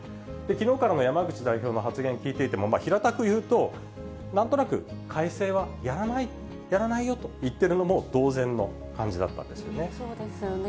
きのうからの山口代表の発言聞いていても、平たく言うと、なんとなく改正はやらないよと言ってるのも同然の感じだったんでそうですよね。